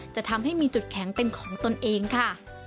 จะทำให้มีจุดแข็งเป็นของตนเองค่ะ